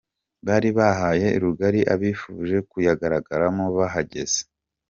Bari bahaye rugari abifuje kuyagaragaramo bahageze.